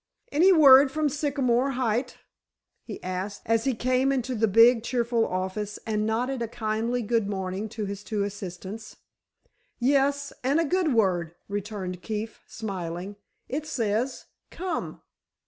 "Any word from Sycamore Ridge?" he asked, as he came into the big, cheerful office and nodded a kindly good morning to his two assistants. "Yes, and a good word," returned Keefe, smiling. "It says: 'Come.